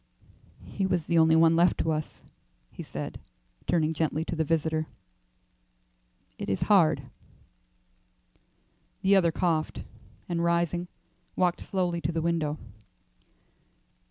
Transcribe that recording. "He was the only one left to us," he said, turning gently to the visitor. "It is hard." The other coughed, and rising, walked slowly to the window.